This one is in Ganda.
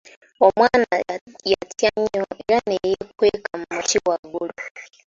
Omwana yatya nnyo era ne yeekweka mu muti waggulu.